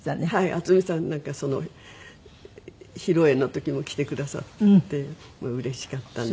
渥美さんなんかその披露宴の時も来てくださってうれしかったんですけど。